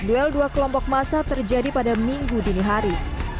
duel dua kelompok massa terjadi pada minggu dini hari